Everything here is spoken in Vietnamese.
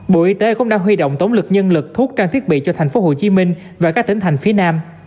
bộ y tế cũng đang huy động tống lực nhân lực thuốc trang thiết bị cho tp hcm và các tỉnh thành phía nam